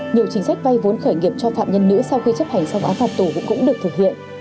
nhiều chính sách vay vốn khởi nghiệp cho phạm nhân nữ sau khi chấp hành xong án phạt tù cũng được thực hiện